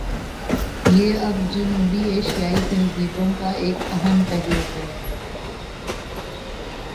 یہ اب جنوبی ایشیائی تہذیبوں کا ایک اہم پہلو ہے۔